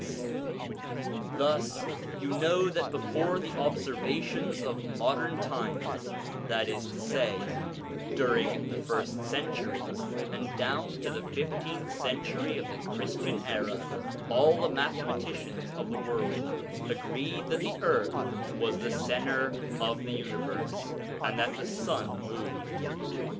28 SOME ANSWERED QUESTIONS Thus, you know that before the observations of modern times, that is to say, during the first centuries and down to the fifteenth century of the Christian era, all the mathematicians of the world agreed that the earth was the centre of the universe, and that the sun moved.